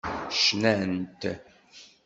Cnant.